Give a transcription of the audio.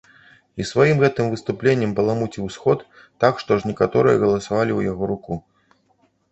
І сваім гэтым выступленнем баламуціў сход, так што аж некаторыя галасавалі ў яго руку.